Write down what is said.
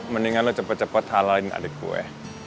mendingan lu cepet cepet halalin adik gue